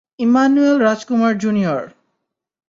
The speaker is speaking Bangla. Emmanuel Rajkumar junior!